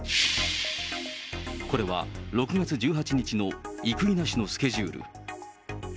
これは６月１８日の生稲氏のスケジュール。